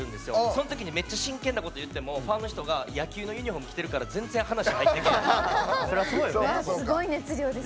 そのときにめっちゃ真剣なこと言っても野球のユニフォーム着てるから全然話入ってけえへん。